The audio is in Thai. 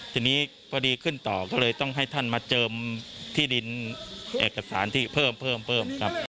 ทีนี้พอดีขึ้นต่อก็เลยต้องให้ท่านมาเจิมที่ดินเอกสารที่เพิ่มเพิ่มครับ